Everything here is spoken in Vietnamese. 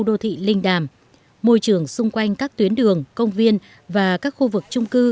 đô thị linh đàm môi trường xung quanh các tuyến đường công viên và các khu vực trung cư